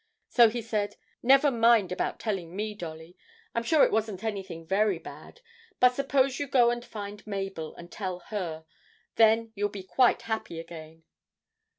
So he said, 'Never mind about telling me, Dolly; I'm sure it wasn't anything very bad. But suppose you go and find Mabel, and tell her; then you'll be quite happy again.'